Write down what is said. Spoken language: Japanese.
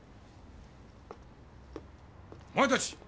お前たち